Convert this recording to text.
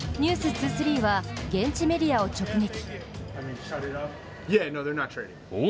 「ｎｅｗｓ２３」は現地メディアを直撃。